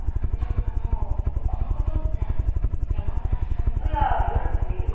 あのこのことって山村さんには。いや言わなくてもいいのよ。